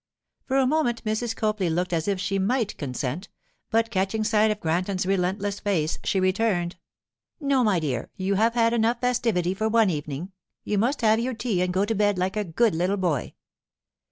For a moment Mrs. Copley looked as if she might consent, but catching sight of Granton's relentless face, she returned: 'No, my dear, you have had enough festivity for one evening. You must have your tea and go to bed like a good little boy.